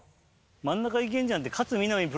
真ん中行けんじゃんって勝みなみ